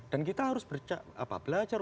dan kita harus belajar